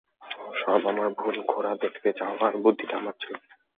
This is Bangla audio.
সব আমার ভুল, ঘোড়া দেখতে যাওয়ার বুদ্ধিটা আমার ছিল।